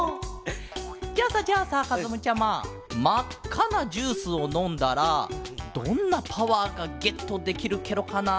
じゃあさじゃあさかずむちゃままっかなジュースをのんだらどんなパワーがゲットできるケロかな？